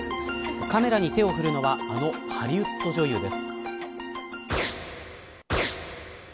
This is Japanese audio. カメラに手を振るのはあのハリウッド女優です。